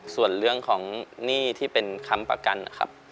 ส่วนเรื่องของหนี้ที่เป็นคำประกันนะครับ